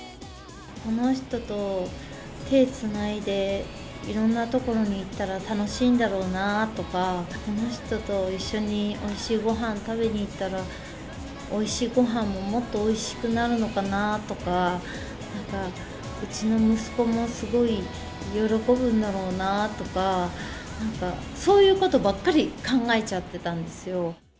この人と手つないで、いろんな所に行ったら、楽しいんだろうなとか、この人と一緒においしいごはん食べに行ったら、おいしいごはんももっとおいしくなるのかなとか、うちの息子もすごい喜ぶんだろうなとか、なんかそういうことばっかり考えちゃってたんですよ。